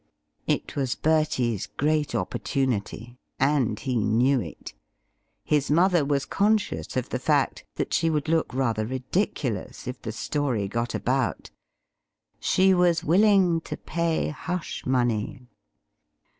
It was Bertie's great opportunity, and he knew it. His mother was conscious of the fact that she would look rather ridiculous if the story got about. She was willing to pay hush money.